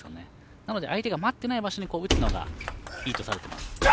なので相手が待ってない場所に打つのがいいとされています。